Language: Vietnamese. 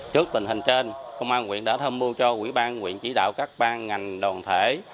trước tình hình trên công an huyện đã thâm mưu cho quỹ ban huyện chỉ đạo các ban ngành đoàn thể